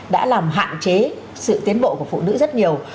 đã làm hạn chế sự tiến bộ của phụ nữ rất nhiều